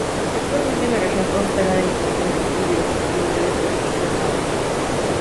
Actualmente en la región costera de Michoacán existen diversas comunidades de la cultura nahua.